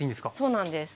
そうなんです。